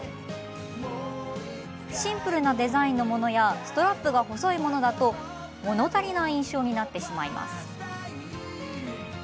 シンプルなデザインのものやストラップが細いものだともの足りない印象になってしまいます。